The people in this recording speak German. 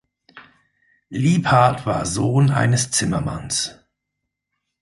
Liebhardt war Sohn eines Zimmermanns.